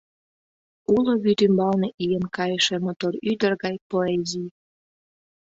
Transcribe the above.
Уло вӱд ӱмбалне ийын кайыше мотор ӱдыр гай поэзий.